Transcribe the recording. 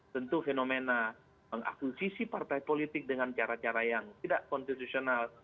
tentu fenomena mengakuisisi partai politik dengan cara cara yang tidak konstitusional